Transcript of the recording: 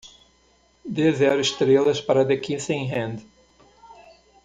Dê zero estrelas para The Kissing Hand